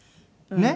ねっ。